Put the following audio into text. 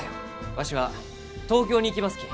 わしは東京に行きますき。